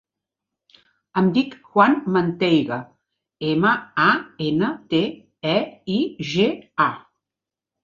Em dic Juan Manteiga: ema, a, ena, te, e, i, ge, a.